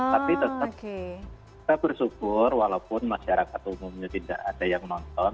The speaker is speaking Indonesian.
tapi tetap kita bersyukur walaupun masyarakat umumnya tidak ada yang nonton